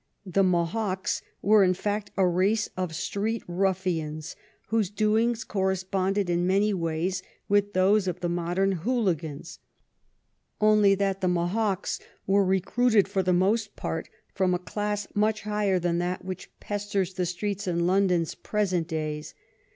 The Mohocks were, in fact, a race of street ruffians whose doings corresponded in many ways with those of the modem Hooligans, only that the Mohocks were recruited for the most part from a class much higher than that which pesters the streets in London's present days.